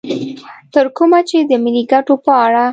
تر کومه چې د ملي ګټو په اړه